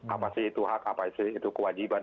apa sih itu hak apa sih itu kewajiban